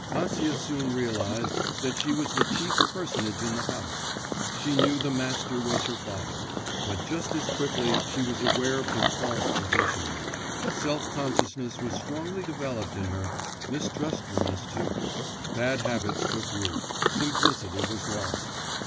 Acia soon realised that she was the chief personage in the house; she knew the master was her father; but just as quickly she was aware of her false position; self consciousness was strongly developed in her, mistrustfulness too; bad habits took root, simplicity was lost.